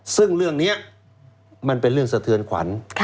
ซึ่งเรื่องนี้มันเป็นเรื่องสะเทือนขวัญ